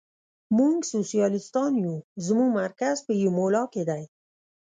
موږ سوسیالیستان یو، زموږ مرکز په ایمولا کې دی.